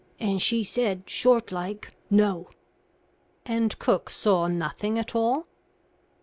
And she said, short like: 'No.'" "And cook saw nothing at all?"